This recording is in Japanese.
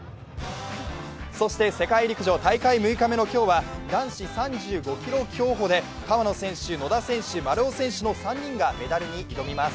そして世界陸上、大会６日目の今日は男子３５ｋｍ競歩で川野選手、野田選手、丸尾選手の３人がメダルに挑みます。